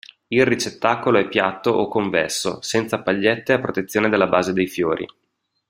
Il ricettacolo è piatto o convesso, senza pagliette a protezione della base dei fiori.